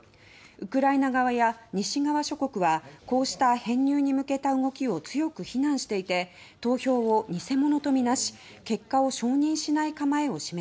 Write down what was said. ウクライナ側や西側諸国はこうした編入に向けた動きを強く非難していて投票を偽物とみなし結果を承認しない構えを示しています。